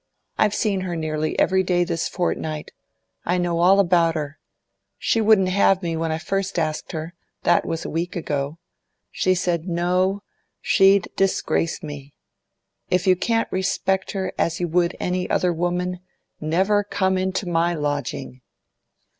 I've seen her nearly every day this fortnight; I know all about her. She wouldn't have me when I first asked her—that was a week ago. She said no; she'd disgrace me. If you can't respect her as you would any other woman, never come into my lodging!